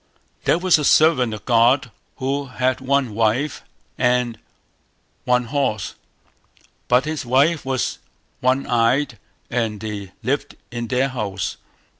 There was a servant of God who had one wife and one horse; but his wife was one eyed, and they lived in their house.